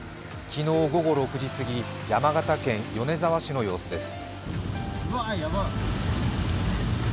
昨日午後６時過ぎ、山形県米沢市の様子です。